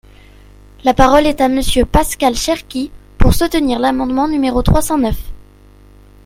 La parole est à Monsieur Pascal Cherki, pour soutenir l’amendement numéro trois cent neuf.